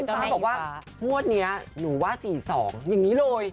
ฟ้าบอกว่างวดนี้หนูว่า๔๒อย่างนี้เลย